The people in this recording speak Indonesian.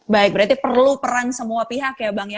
baik berarti perlu peran semua pihak ya bang ya